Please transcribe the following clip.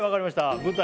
舞台